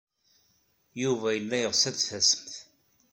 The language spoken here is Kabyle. Yuba yella yeɣs ad d-tasemt.